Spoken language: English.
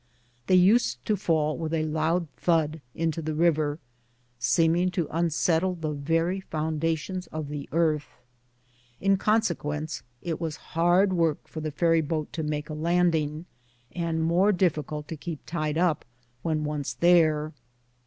They used to fall with a loud thud into the river, seeming to unsettle the very foundations of the earth. In consequence, it was hard work for the ferry boat to make a landing, and more difficult to keep tied up, when once there.